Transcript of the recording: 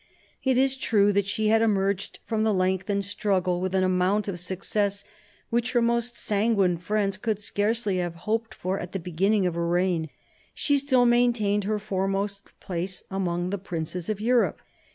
It is true that she had emerged from the lengthened struggle with an amount of success which her most sanguine friends could scarcely have hoped for at the beginning of her reign. She still maintained her foremost place among the princes of Europe.